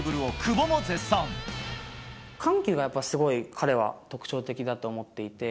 緩急がやっぱすごい、彼は特徴的だと思っていて。